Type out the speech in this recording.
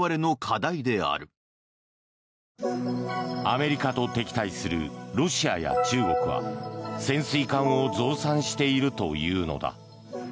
アメリカと敵対するロシアや中国は潜水艦を増産しているというのだ。